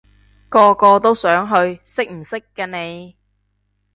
個個都想去，識唔識㗎你？